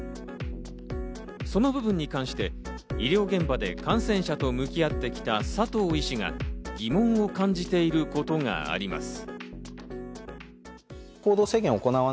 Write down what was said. その部分に関して医療現場で感染者と向き合ってきた佐藤医師が疑問を感じていることがあります。